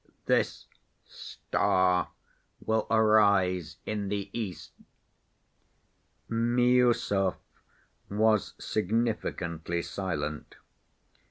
This star will arise in the east!" Miüsov was significantly silent.